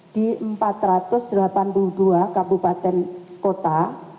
di empat ratus delapan puluh dua kabupaten kota